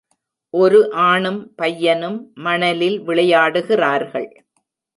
ஒரு ஆணும் பையனும் மணலில் விளையாடுகிறார்கள்